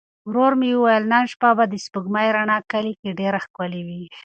ورور مې وویل نن شپه به د سپوږمۍ رڼا کلي کې ډېره ښکلې وي.